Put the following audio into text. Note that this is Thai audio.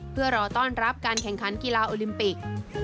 เพื่อรอต้อนรับการแข่งขันกีฬาโอลิมปิก